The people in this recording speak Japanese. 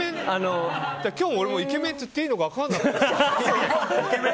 今日、俺もイケメンって言っていいのか分からなくて。